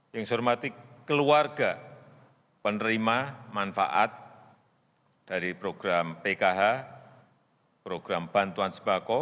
yang saya hormati keluarga penerima manfaat dari program pkh program bantuan sembako